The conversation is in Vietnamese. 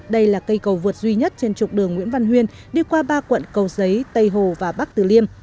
đây là cây cầu vượt duy nhất trên trục đường nguyễn văn huyên đi qua ba quận cầu giấy tây hồ và bắc tử liêm